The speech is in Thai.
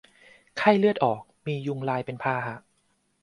ไข้เลือดออก มียุงลายเป็นพาหะ